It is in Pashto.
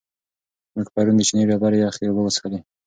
موږ پرون د چینې ډېرې یخې اوبه وڅښلې.